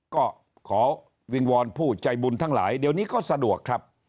ก็ขอวิงวอนผู้ใจบุญทั้งหลายเดี๋ยวนี้ก็สะดวกครับ